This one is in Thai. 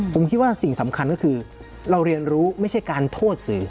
ผมคิดว่าสิ่งสำคัญก็คือเราเรียนรู้ไม่ใช่การโทษสื่อ